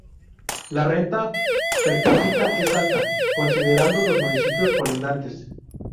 La renta per cápita es alta, considerando los municipios colindantes.